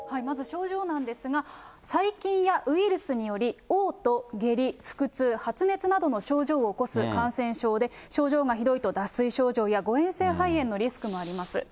まず症状なんですが、細菌やウイルスにより、おう吐、下痢、腹痛、発熱などの症状を起こす感染症で、症状がひどいと脱水症状や誤嚥性肺炎のリスクもあります。